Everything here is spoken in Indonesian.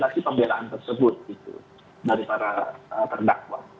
dari para perdakwa